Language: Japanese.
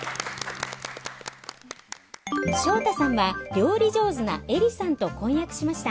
翔太さんは料理上手なエリさんと婚約しました。